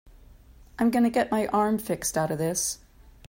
I'm gonna get my arm fixed out of this.